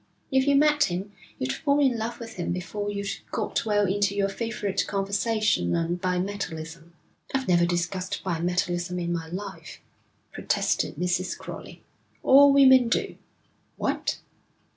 If you met him you'd fall in love with him before you'd got well into your favourite conversation on bimetallism.' 'I've never discussed bimetallism in my life,' protested Mrs. Crowley. 'All women do.' 'What?'